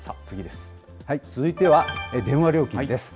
続いては、電話料金です。